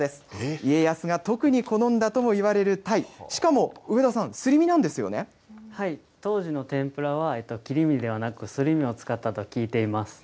家康が特に好んだともいわれるたい、しかも上田さん、当時の天ぷらは、切り身ではなくすり身を使ったと聞いています。